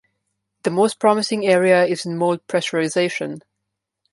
The most promising area is in mold pressurization.